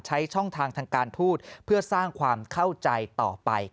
ช่องทางทางการทูตเพื่อสร้างความเข้าใจต่อไป